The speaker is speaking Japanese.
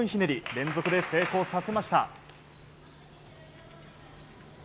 連続で成功させました。